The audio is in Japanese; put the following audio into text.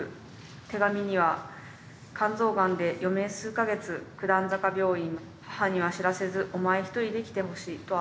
手紙には『肝臓がんで余命数か月九段坂病院母には知らせずお前一人で来てほしい』とあった。